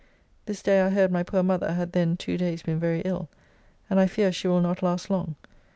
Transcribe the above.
This day I heard my poor mother had then two days been very ill, and I fear she will not last long.